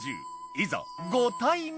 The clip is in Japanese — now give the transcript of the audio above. いざご対面！